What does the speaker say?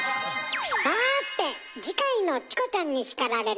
さて次回の「チコちゃんに叱られる！」